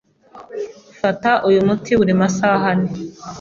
Fata uyu muti buri masaha ane.